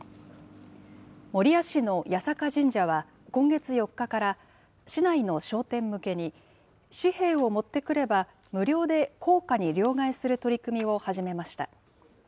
守谷市の八坂神社は、今月４日から市内の商店向けに、紙幣を持ってくれば、無料で硬貨に両替する取り組みを始めました。